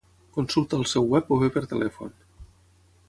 Consulta al seu web o bé per telèfon.